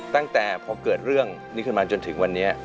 ตั้งแต่พอเกิดเรื่องนี้ขึ้นมาจนถึงวันนี้